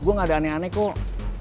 gue gak ada aneh aneh kok